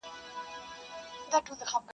o اوس یې خلګ پر دې نه دي چي حرام دي,